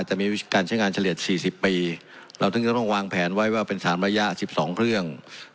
จะมีการใช้งานเฉลี่ยสี่สิบปีเราถึงจะต้องวางแผนไว้ว่าเป็นสามระยะสิบสองเครื่อง